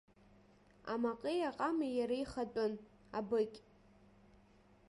Амаҟеи аҟамеи иара ихатәын, абыкь.